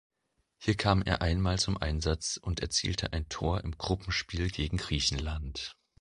Hier kam er einmal zum Einsatz und erzielte ein Tor im Gruppenspiel gegen Griechenland.